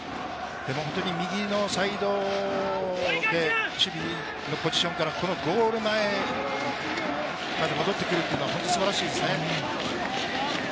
本当に右のサイドって、守備のポジションからゴール前まで戻ってくるっていうのは本当に素晴らしいですね。